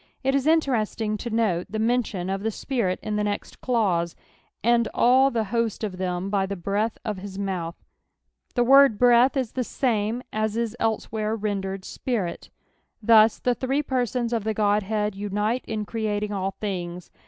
Jt is interesting to note the mention of the Spirit in the next dause, " and all the hott of them !>>/ the breath qfhU mouth;" the word " lireath" is the same as is elsewhere rendered Spirit. Tlius the throe persons of the Godhead unite in creating all things.